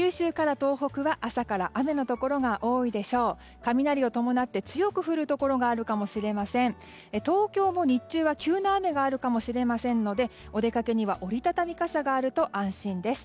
東京も日中は急な雨があるかもしれませんのでお出かけには折り畳み傘があると安心です。